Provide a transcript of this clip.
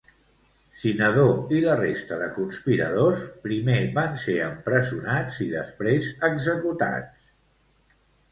Cinadó i la resta de conspiradors primer van ser empresonats i, després, executats.